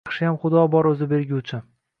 Yaxshiyam Xudo bor o’zi berguvchi